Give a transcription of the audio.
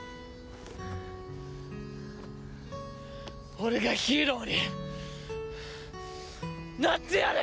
俺がヒーローになってやる！